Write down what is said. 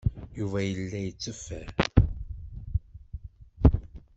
Yuba yella yetteffer.